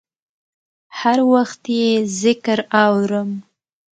هر وخت یې ذکر اورم